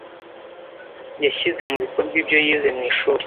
Yashyize mu bikorwa ibyo yize mu ishuri.